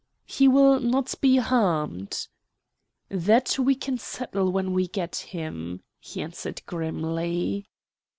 "He will not be harmed?" "That we can settle when we get him," he answered grimly.